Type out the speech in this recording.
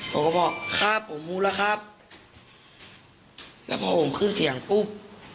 ผมก็บอกครับผมรู้แล้วครับแล้วพอผมขึ้นเสียงปุ๊บ